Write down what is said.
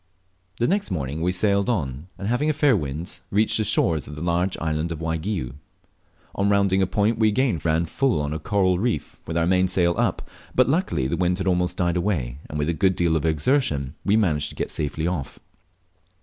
The next morning we sailed on, and having a fair wind reached the shores of the large island of Waigiou. On rounding a point we again ran full on to a coral reef with our mainsail up, but luckily the wind had almost died away, and with a good deal of exertion we managed get safely off.